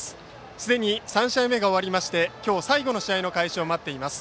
すでに３試合目が終わりまして今日、最後の試合の開始を待っています。